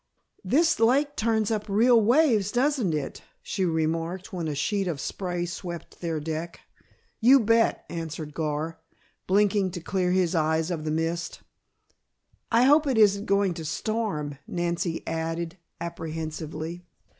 "This lake turns up real waves, doesn't it?" she remarked when a sheet of spray swept their deck. "You bet," answered Gar, blinking to clear his eyes of the mist. "I hope it isn't going to storm," Nancy added, apprehensively.